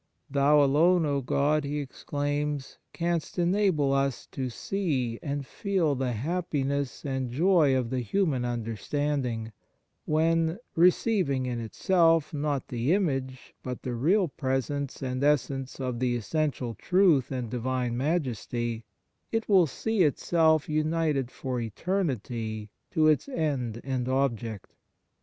" Thou alone, O God," he exclaims, " canst enable us to see and feel the happiness and joy of the human understanding, when, re ceiving in itself, not the image, but the real presence and essence of the essential truth and Divine Majesty, it will see itself united for eternity to its End and Object.